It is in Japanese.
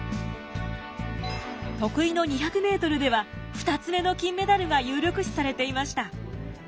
得意の２００ｍでは２つ目の金メダルが有力視されていました。